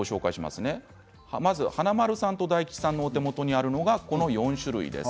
華丸さんと大吉さんのお手元にあるのがこの４種類です。